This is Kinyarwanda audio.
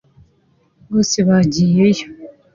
bose bagiyeyo